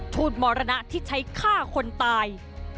ทูตมรณะที่ใช้ฆ่าคนตาย